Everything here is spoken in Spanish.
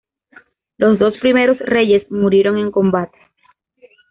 Los dos primeros reyes murieron en combate.